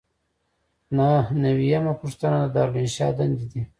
نهه نوي یمه پوښتنه د دارالانشا دندې دي.